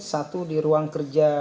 satu di ruang kerja